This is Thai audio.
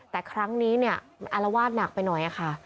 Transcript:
แต่ครั้งนี้เนี่ยอารวาสหนักไปหน่อยค่ะ